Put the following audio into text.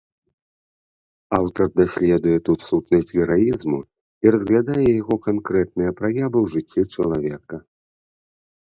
Аўтар даследуе тут сутнасць гераізму і разглядае яго канкрэтныя праявы ў жыцці чалавека.